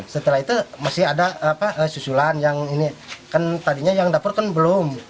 setelah itu masih ada susulan yang ini kan tadinya yang dapur kan belum